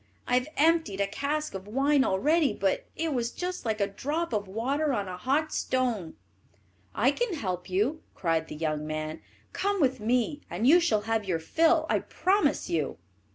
I have emptied a cask of wine already, but it was just like a drop of water on a hot stone." "I can help you," cried the young man; "come with me, and you shall have your fill, I promise you."